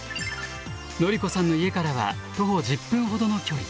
のりこさんの家からは徒歩１０分ほどの距離。